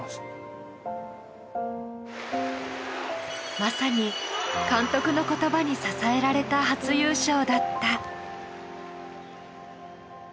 まさに監督の言葉に支えられた初優勝だった。